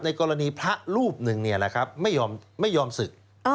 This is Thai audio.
ในกรณีพระรูปหนึ่งเนี่ยแหละครับไม่ยอมศึก